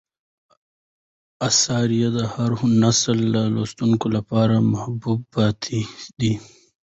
آثار یې د هر نسل د لوستونکو لپاره محبوب پاتې دي.